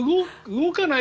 動かない。